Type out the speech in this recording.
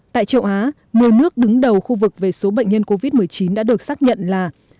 tại châu á một mươi nước đứng đầu khu vực về số bệnh nhân covid một mươi chín đã được xác nhận là